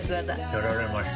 やられました。